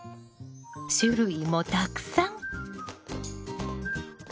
種類もたくさん。